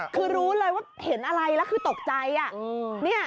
คือรู้เลยว่าเห็นอะไรแล้วคือตกใจ